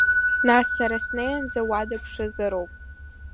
Нас сара снеиаанӡа уа дыԥшызароуп!